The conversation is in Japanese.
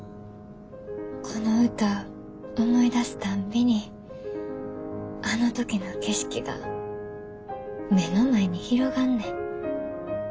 この歌思い出すたんびにあの時の景色が目の前に広がんねん。